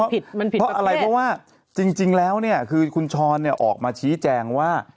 เพราะอะไรเพราะว่าจริงแล้วเนี่ยคือคุณช้อนเนี่ยออกมาชี้แจงว่า